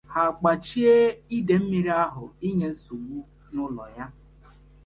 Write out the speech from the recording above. ha akpàchie idè mmiri ahụ inye nsogbu n'ụlọ ya